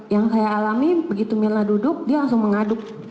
yang saya alami begitu mirna duduk dia langsung mengaduk